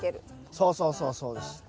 そうそうそうそうです。